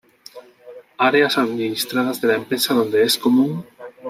Áreas Administradas de la empresa donde es común;